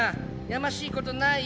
やましい事ない？